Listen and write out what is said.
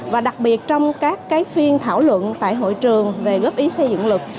và đặc biệt trong các phiên thảo luận tại hội trường về góp ý xây dựng luật